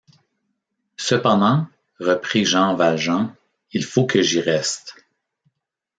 Cependant, reprit Jean Valjean, il faut que j’y reste.